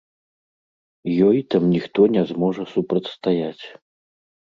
Ёй там ніхто не зможа супрацьстаяць.